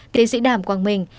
tiến sĩ đàm quang minh